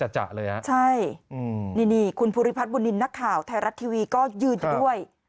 ใช่นี่คุณภูริพัฒนบุญนินทร์นักข่าวไทยรัฐทีวีก็ยืนอยู่ด้วย